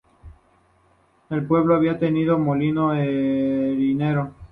El pueblo había tenido molino harinero.